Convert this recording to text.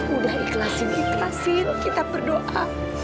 udah ikhlasin ikhlasin kita berdoa